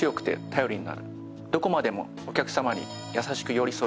どこまでもお客様にやさしく寄り添う。